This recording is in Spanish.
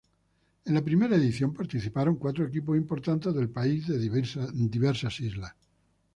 En la primera edición participaron cuatro equipos importantes del país de diversas islas.